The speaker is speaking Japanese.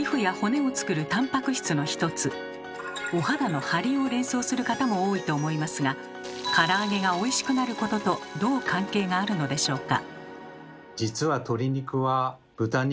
お肌のハリを連想する方も多いと思いますがから揚げがおいしくなることとどう関係があるのでしょうか？